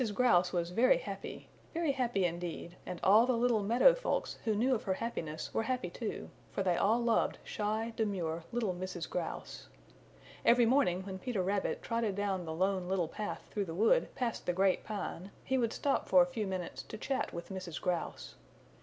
Grouse was very happy, very happy indeed, and all the little meadow folks who knew of her happiness were happy too, for they all loved shy, demure, little Mrs. Grouse. Every morning when Peter Rabbit trotted down the Lone Little Path through the wood past the Great Pine he would stop for a few minutes to chat with Mrs. Grouse.